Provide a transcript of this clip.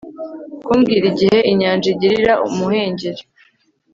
kumbwira igihe inyanja igirira umuhengeri